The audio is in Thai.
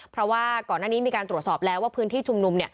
เพราะว่าก่อนหน้านี้มีการตรวจสอบแล้วว่าพื้นที่ชุมนุม